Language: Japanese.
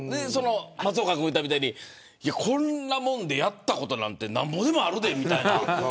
松岡君が言ったみたいにこんなもんでやったことなんてなんぼでもあるでみたいな。